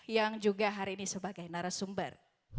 yang juga hari ini sebagai narasumber